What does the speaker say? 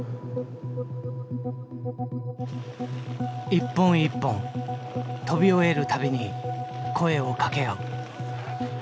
一本一本飛び終える度に声を掛け合う。